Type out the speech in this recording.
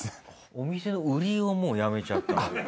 お店の売りをもうやめちゃった？